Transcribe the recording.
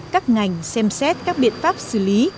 các ngành xem xét các biện pháp xử lý